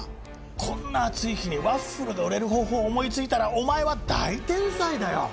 こんな暑い日にワッフルが売れる方法を思いついたらお前は大天才だよ。